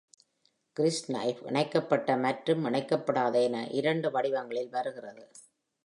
crysknife இணைக்கப்பட்ட மற்றும் இணைக்கப்படாத என இரண்டு வடிவங்களில் வருகிறது.